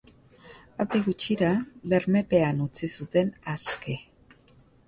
Handik gutxira bermepean utzi zuten aske.